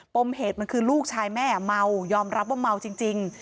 มเหตุมันคือลูกชายแม่เมายอมรับว่าเมาจริง